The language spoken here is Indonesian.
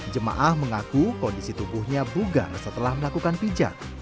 jemaah mengaku kondisi tubuhnya bugar setelah melakukan pijat